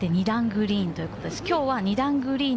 ２段グリーンということです。